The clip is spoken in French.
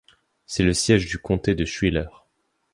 C'est le siège du comté de Schuyler.